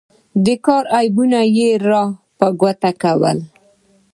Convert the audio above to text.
د کار عیبونه یې را په ګوته کړل.